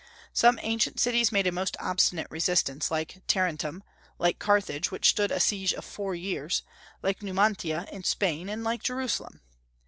Some ancient cities made a most obstinate resistance, like Tarentum; like Carthage, which stood a siege of four years; like Numantia in Spain, and like Jerusalem.